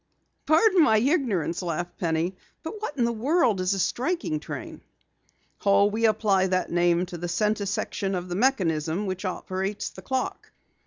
"Pardon my ignorance," laughed Penny, "but what in the world is the striking train?" "Oh, we apply that name to the center section of the mechanism which operates the clock.